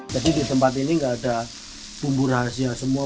jadi di tempat ini enggak ada bumbu rahasia semua